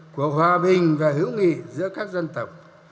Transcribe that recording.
của hòa bình và hữu nghị giữa các dân tộc